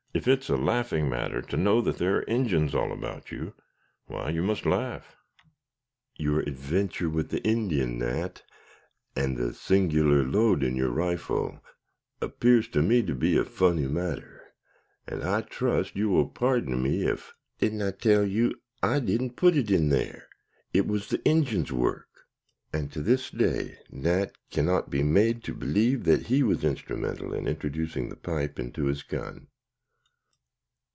"If it's a laughing matter to know that there are Injins all about you, why you must laugh." "Your adventure with the Indian, Nat, and the singular load in your rifle appears to me to be a funny matter, and I trust you will pardon me if " "Didn't I tell you I didn't put it in there? It was the Injin's work." And to this day Nat cannot be made to believe that he was instrumental in introducing the pipe into his gun.